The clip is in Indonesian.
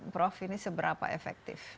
prof ini seberapa efektif